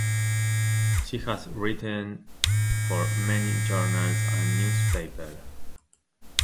She has written for many journals and newspaper.